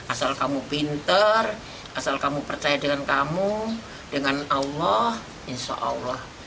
asal kamu pinter asal kamu percaya dengan kamu dengan allah insya allah